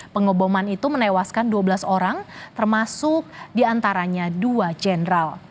pengeboman itu menewaskan dua belas orang termasuk diantaranya dua jenderal